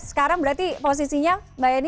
sekarang berarti posisinya mbak eni